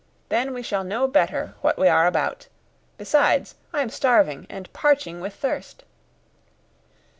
Then we shall know better what we are about. Besides, I am starving, and parching with thirst."